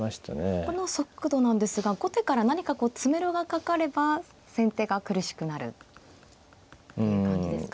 この速度なんですが後手から何か詰めろがかかれば先手が苦しくなるっていう感じですか。